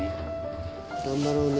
頑張ろうね。